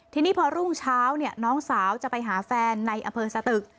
ทีนี้พอรุ่งเช้าเนี่ยน้องสาวจะไปหาแฟนในอเภิร์ศตึก